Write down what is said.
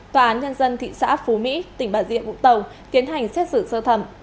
tòa án nhân dân thị xã phú mỹ tỉnh bà diện vũng tàu tiến hành xét xử xơ thẩm